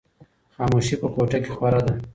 خاموشي په کوټه کې خپره ده.